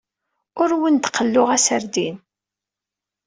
Ur awent-d-qelluɣ aserdin.